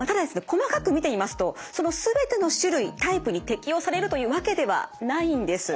細かく見てみますとその全ての種類タイプに適用されるというわけではないんです。